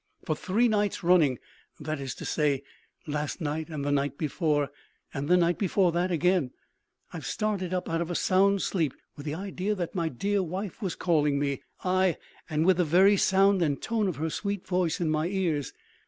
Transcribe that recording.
For three nights running that is to say, last night, and the night before, and the night before that again I've started up out of a sound sleep with the idea that my dear wife was calling me; ay, and with the very sound and tone of her sweet voice in my ears.